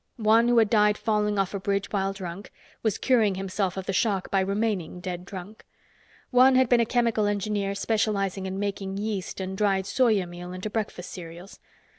One, who had died falling off a bridge while drunk, was curing himself of the shock by remaining dead drunk. One had been a chemical engineer specializing in making yeast and dried soya meal into breakfast cereals.